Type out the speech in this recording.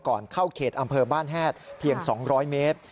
เข้าเขตอำเภอบ้านแฮดเพียง๒๐๐เมตร